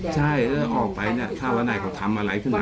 ใช่เอาออกไปถ้าไว้ในเขาทำอะไรขึ้นหา